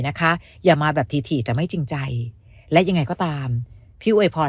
นะคะอย่ามาแบบถี่แต่ไม่จริงใจและยังไงก็ตามพี่อวยพร